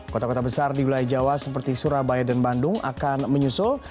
kota kota besar di wilayah jawa seperti surabaya dan bandung akan menyusul